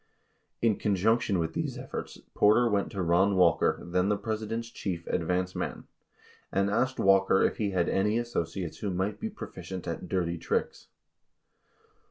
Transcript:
38 In conjunction with these efforts, Porter went to Ron Walker, then the President's chief "advance man," and asked Walker if he had any associates who might be proficient at "dirty tricks."